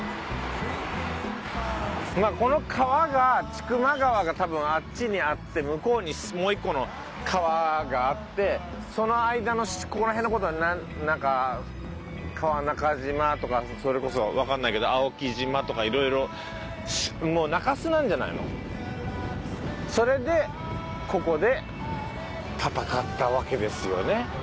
この川が千曲川が多分あっちにあって向こうにもう一個の川があってその間のここら辺の事をなんか川中島とかそれこそわかんないけど青木島とか色々もう中州なんじゃないの。それでここで戦ったわけですよね。